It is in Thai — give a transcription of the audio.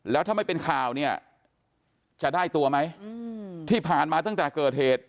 แล้วถ้าไม่เป็นข่าวเนี่ยจะได้ตัวไหมที่ผ่านมาตั้งแต่เกิดเหตุ